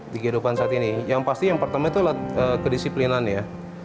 di kehidupan saat ini yang pasti yang pertama itu adalah kedisiplinan ya